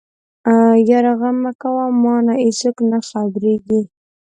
يره غم مکوه مانه ايڅوک نه خبرېږي.